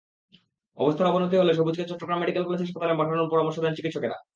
অবস্থার অবনতি হলে সবুজকে চট্টগ্রাম মেডিকেল কলেজ হাসপাতালে পাঠানোর পরামর্শ দেন চিকিৎসকেরা।